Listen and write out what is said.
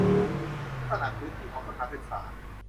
ลักษณะพื้นที่ของสถานศึกษา